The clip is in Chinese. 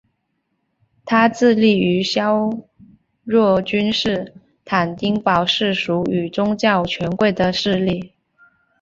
他致力于削弱君士坦丁堡世俗与宗教权贵的势力。